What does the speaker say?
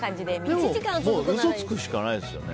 嘘をつくしかないですよね。